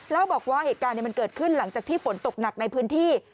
เล่าบอกว่าเหตุการณ์มันเกิดขึ้นหลังจากที่ฝนตกหนักในพื้นที่